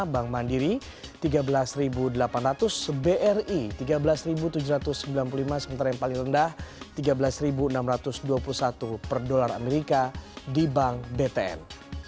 bank mandiri tiga belas delapan ratus bri tiga belas tujuh ratus sembilan puluh lima sementara yang paling rendah tiga belas enam ratus dua puluh satu per dolar amerika di bank btn